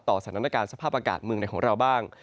สถานการณ์สภาพอากาศเมืองในของเราบ้าง